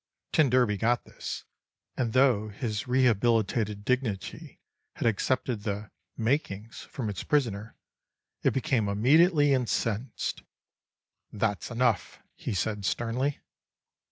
T d got this; and though his rehabilitated dignity had accepted the "makin's" from its prisoner, it became immediately incensed: "That's enough," he said sternly.